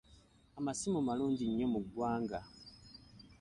Amasimu malungi nnyo mu ggwanga.